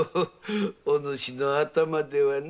おぬしの頭ではな。